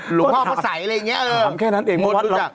หลวงห้อเมื่อใสอะไรอย่างนี้หมดพูดจักรถามแค่นั้นเอง